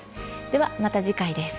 では、また次回です。